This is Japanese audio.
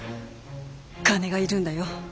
金がいるんだよ。